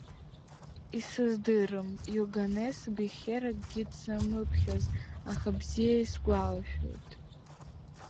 Исыздырам Иоганес Бехер акгьы дзамыԥхьаз, аха бзиа исгәалашәоит…